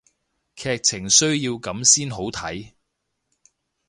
劇情需要噉先好睇